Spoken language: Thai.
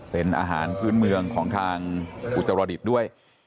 เป็นอาหารพื้นเมืองของทางอุตรดิษฐ์ด้วย